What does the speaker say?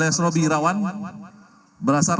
dan segera menemukan perang p pascal